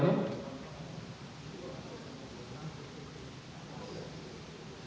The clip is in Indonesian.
dari bawah tadi